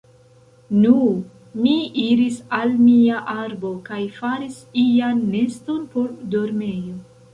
Nu, mi iris al mia arbo kaj faris ian neston por dormejo.